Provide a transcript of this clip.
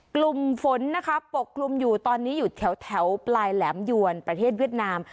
กลุ่มฝนนะคะปกคลุมอยู่ตอนนี้อยู่แถวปลายแหลมยวนประเทศเวียดนาม